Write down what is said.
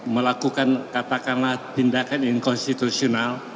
melakukan katakanlah tindakan inkonstitusional